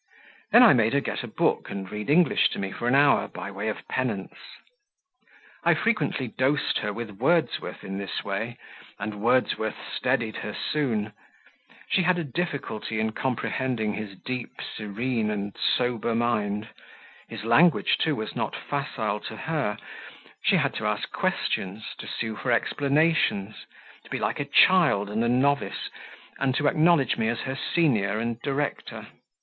Then I made her get a book, and read English to me for an hour by way of penance. I frequently dosed her with Wordsworth in this way, and Wordsworth steadied her soon; she had a difficulty in comprehending his deep, serene, and sober mind; his language, too, was not facile to her; she had to ask questions, to sue for explanations, to be like a child and a novice, and to acknowledge me as her senior and director.